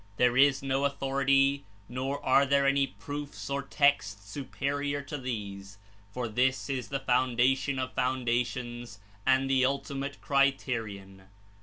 There Is no authority nor are there any proofs or texts superior to these, for this Is the foundation of foundations and the ultimate criterion.